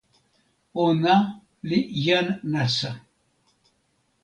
ona li jan nasa.